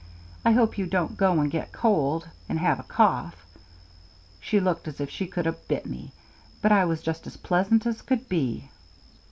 I hope you won't go and get cold, and have a cough.' She looked as if she could 'a bit me, but I was just as pleasant 's could be.